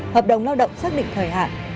hợp đồng lao động xác định thời hạn